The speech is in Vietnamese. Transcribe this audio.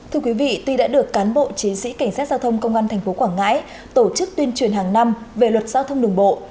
thưa quý vị tuy đã được cán bộ chiến sĩ cảnh sát giao thông công an tp quảng ngãi tổ chức tuyên truyền hàng năm về luật giao thông đường bộ